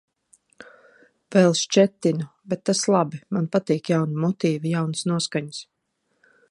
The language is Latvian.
Vēl šķetinu. Bet tas labi. Man patīk jauni motīvi, jaunas noskaņas.